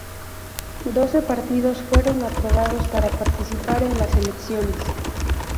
Doce partidos fueron aprobados para participar en las elecciones.